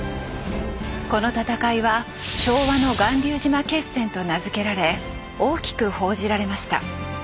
この戦いは「昭和の巌流島決戦」と名付けられ大きく報じられました。